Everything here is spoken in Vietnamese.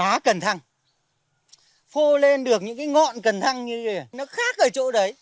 cây quất cần thăng phô lên được những cái ngọn cần thăng như thế này nó khác ở chỗ đấy